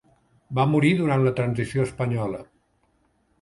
Va morir durant la transició espanyola.